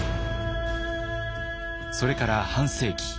それから半世紀。